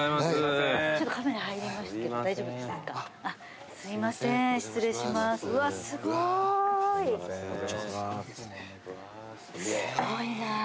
すごいな。